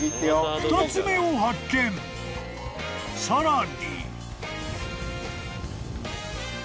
［さらに］